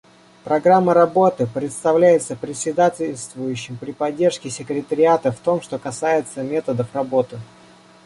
Программа работы представляется председательствующим при поддержке секретариата в том, что касается методов работы.